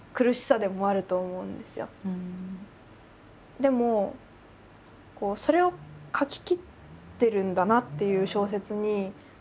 でもそれを書ききってるんだなっていう小説に触れたときに。